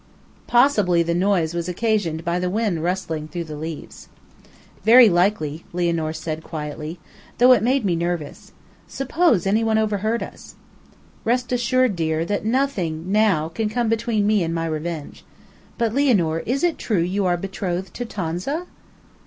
Possibly the noise was occasioned by the wind rustling through the leaves. "Very likely," Lianor said quietly, "though it made me nervous. Suppose any one overheard us?" "Rest assured, dear, that nothing now can come between me and my revenge. But, Lianor, is it true you are betrothed to Tonza?"